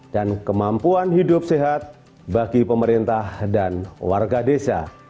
dan kemampuan hidup sehat bagi pemerintah dan warga desa